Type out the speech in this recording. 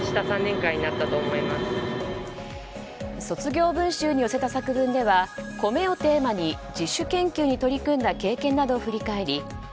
卒業文集に寄せた作文では米をテーマに、自主研究に取り組んだ経験などを振り返り